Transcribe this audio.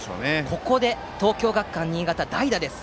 ここで東京学館新潟は代打です。